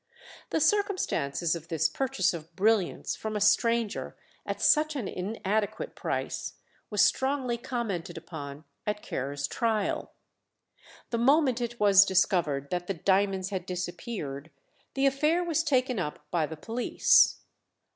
The circumstances of this purchase of brilliants from a stranger at such an inadequate price was strongly commented upon at Ker's trial. The moment it was discovered that the diamonds had disappeared, the affair was taken up by the police.